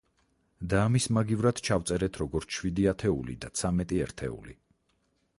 და ამის მაგივრად ჩავწერეთ როგორც შვიდი ათეული და ცამეტი ერთეული.